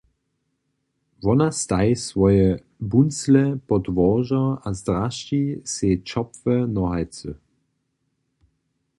Wona staji swoje buncle pod łožo a zdrasći sej ćopłe nohajcy.